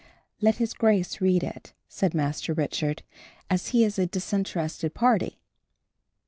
"Let his Grace read it," said Master Richard, "as he is a disinterested party."